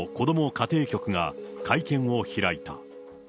家庭局が会見を開いた。